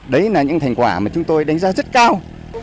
đấy là những thành quả mà chúng tôi đánh giá rất cao